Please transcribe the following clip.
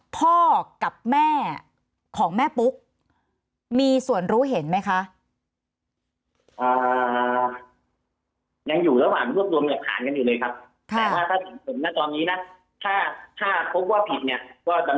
พ่อกับแม่ของแม่ปุ๊กมีส่วนรู้เห็นไหมคะ